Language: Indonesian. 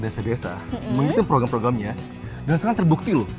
desa desa mengikuti program programnya dengan senang terbukti lho